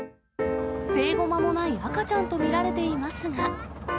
生後間もない赤ちゃんと見られていますが。